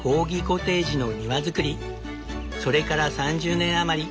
それから３０年余り。